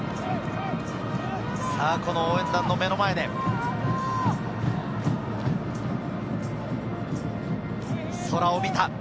応援団の目の前で、空を見た。